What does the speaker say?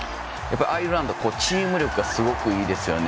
アイルランドはチーム力がすごくいいですよね。